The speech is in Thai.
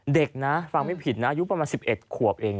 เด็กนะฟังไม่ผิดนะอายุประมาณ๑๑ขวบเอง